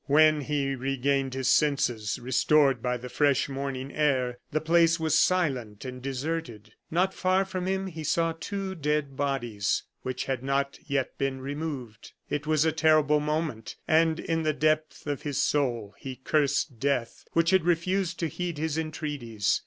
When he regained his senses, restored by the fresh morning air, the place was silent and deserted. Not far from him, he saw two dead bodies which had not yet been removed. It was a terrible moment, and in the depth of his soul he cursed death, which had refused to heed his entreaties.